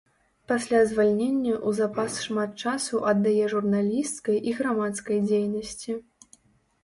Пасля звальнення ў запас шмат часу аддае журналісцкай і грамадскай дзейнасці.